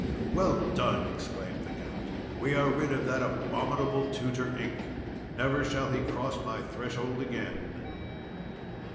"Well done!" exclaimed the Count. "We are rid of that abominable Tutor Ink! Never shall he cross my threshold again!"